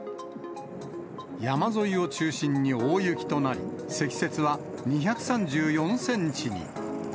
山沿いを中心に大雪となり、積雪は２３４センチに。